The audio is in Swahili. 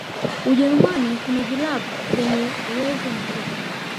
ujerumani kuna vilab vyenye uwezo mkubwa